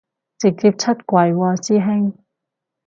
直接出櫃喎師兄